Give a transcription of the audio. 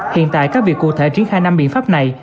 hiện tại các việc cụ thể triển khai năm biện pháp này